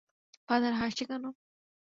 Father হাসছে কেন?